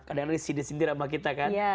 kadang kadang di sini sini sama kita kan